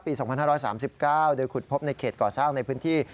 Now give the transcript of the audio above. ปี๒๕๓๙โดยขุดพบในเขตก่อสร้างในพื้นที่